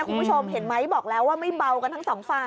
คุณผู้ชมเห็นไหมบอกแล้วว่าไม่เบากันทั้งสองฝ่าย